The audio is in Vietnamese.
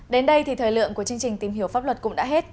đến đây thì thời lượng của chương trình tìm hiểu pháp luật cũng đã hết